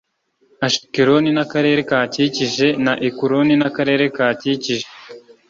Ashikeloni n’akarere kahakikije, na Ekuroni n’akarere kahakikije.